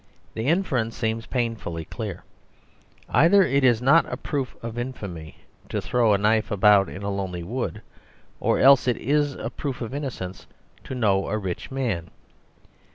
The inference seems painfully clear; either it is not a proof of infamy to throw a knife about in a lonely wood, or else it is a proof of innocence to know a rich man.